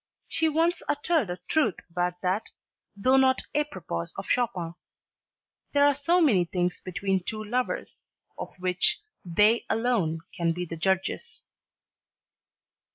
She once uttered a truth about that (though not apropos of Chopin), "There are so many things between two lovers of which they alone can be the judges."